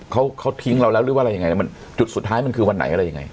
เขาเขาทิ้งเราแล้วหรือว่าอะไรยังไงเนี่ยมันจุดสุดท้ายมันคือวันไหนอะไรยังไง